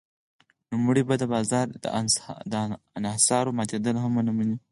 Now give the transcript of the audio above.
نوموړی به د بازار انحصار ماتېدل هم ونه مني.